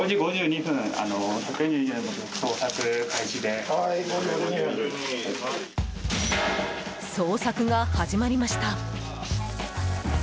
捜索が始まりました。